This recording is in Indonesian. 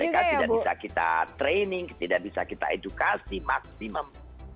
mereka tidak bisa kita training tidak bisa kita edukasi maksimum